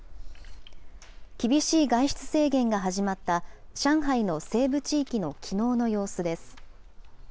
厳しい外出制限が始まった上海の西部地域のきのうの様子です。